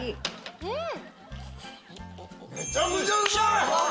うん！